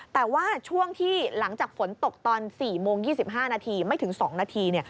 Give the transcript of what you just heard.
แต่ว่าช่วงที่หลังจากฝนตกตอน๔โมง๒๕นาทีไม่ถึง๒นาที